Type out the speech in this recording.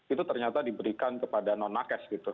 itu ternyata diberikan kepada non nakes gitu